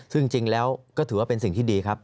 ซึ่งจริงแล้วก็ถือว่าเป็นสิ่งที่ดีครับ